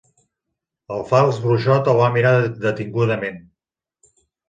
El fals bruixot el va mirar detingudament.